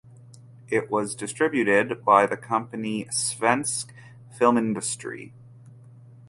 It was distributed by the company Svensk Filmindustri.